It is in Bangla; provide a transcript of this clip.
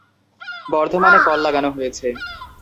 বর্ধমানে কল লাগানো হয়েছে।